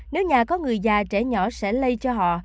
nếu nhà có người già trẻ nhỏ sẽ lây cho họ